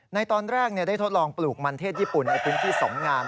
ในตอนแรกได้ทดลองปลูกมันเทศญี่ปุ่นในพื้นที่สมงาม